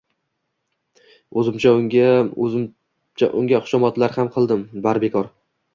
o‘zimcha unga xushomadlar ham qildim. Bari bekor.